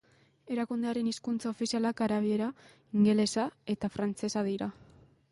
Erakundearen hizkuntza ofizialak arabiera, ingelesa eta frantsesa dira.